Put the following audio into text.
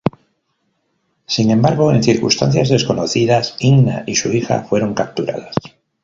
Sin embargo, en circunstancias desconocidas, Inna y su hija fueron capturadas.